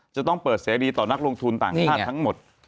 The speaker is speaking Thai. จะต้องเปิดเสรีต่อนักลงทุนต่างชาติทั้งหมด